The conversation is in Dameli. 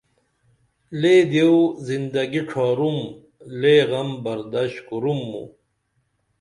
لے دیو زندگی ڇھارُم لے غم بردشت کُرُم موں